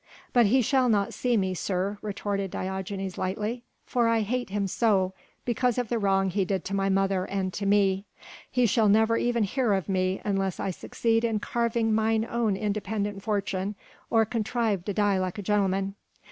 "But he shall not see me, sir," retorted Diogenes lightly, "for I hate him so, because of the wrong he did to my mother and to me. He shall never even hear of me unless I succeed in carving mine own independent fortune, or contrive to die like a gentleman."